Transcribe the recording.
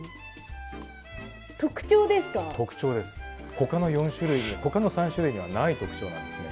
ほかの４種類ほかの３種類にはない特徴なんですね。